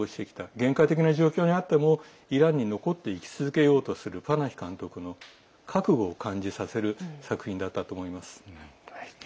限界的な状況にあってもイランに残って生き続けようとするパナヒ監督の覚悟を感じさせる作品だったと思います。